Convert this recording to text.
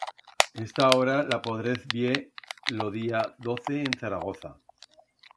Esta obra la podrez vier lo día doce en Zaragoza.